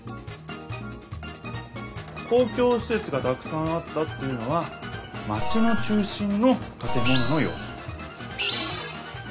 「公共しせつがたくさんあった」っていうのはまちの中心のたて物のようす。